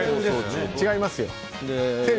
違いますよ。